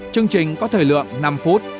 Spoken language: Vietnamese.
chương trình có thời lượng năm phút